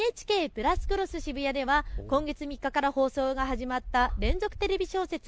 ＮＨＫプラスクロスＳＨＩＢＵＹＡでは今月３日から放送が始まった連続テレビ小説